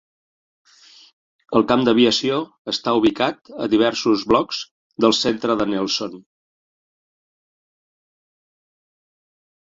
El camp d'aviació està ubicat a diversos blocs del centre de Nelson.